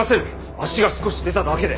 足が少し出ただけで。